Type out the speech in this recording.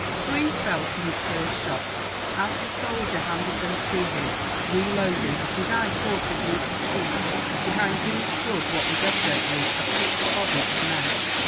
Three fell to his first shots. As the soldier handed them to him, reloaded, his eye caught a group of chiefs, behind whom stood what was evidently a picked body of men.